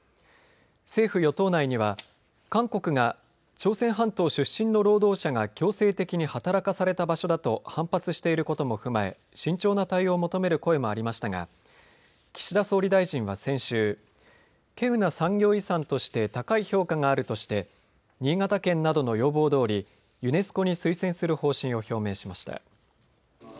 政府与党内には韓国が朝鮮半島出身の労働者が強制的に働かされた場所だと反発していることも踏まえ、慎重な対応を求める声もありましたが岸田総理大臣は先週、けうな産業遺産として高い評価があるとして新潟県などの要望どおりユネスコに推薦する方針を表明しました。